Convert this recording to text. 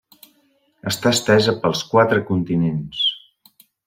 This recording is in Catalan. Està estesa pels quatre continents.